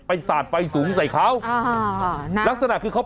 เปิดไฟขอทางออกมาแล้วอ่ะ